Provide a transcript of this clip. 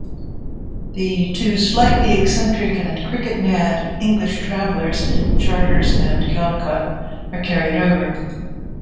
The two slightly eccentric and cricket-mad English travellers, Charters and Caldicott, are carried over.